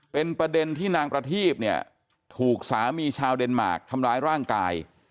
เป็นประเด็นที่นางประทีพเนี่ยถูกสามีชาวเดนมาร์คทำร้ายร่างกาย